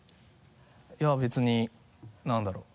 いや別に何だろう？